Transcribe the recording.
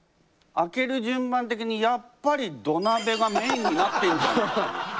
開ける順番的にやっぱり土鍋がメインになってんじゃんっていう。